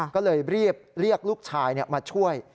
ก็เลยรีบเรียกลูกชายมาช่วย